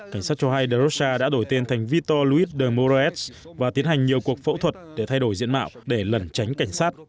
cảnh sát châu ii de rocha đã đổi tên thành vitor luis de moraes và tiến hành nhiều cuộc phẫu thuật để thay đổi diện mạo để lẩn tránh cảnh sát